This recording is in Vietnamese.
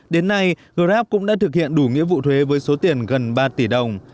đến nay grab cũng đã thực hiện đủ nghĩa vụ thuế với số tiền gần ba tỷ đồng